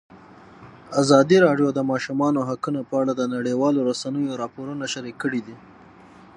ازادي راډیو د د ماشومانو حقونه په اړه د نړیوالو رسنیو راپورونه شریک کړي.